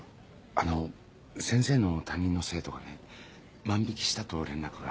あの先生の担任の生徒がね万引したと連絡が。